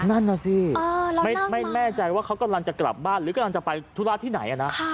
นั่นน่ะสิไม่แน่ใจว่าเขากำลังจะกลับบ้านหรือกำลังจะไปธุระที่ไหนนะ